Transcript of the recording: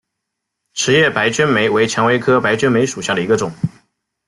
齿叶白鹃梅为蔷薇科白鹃梅属下的一个种。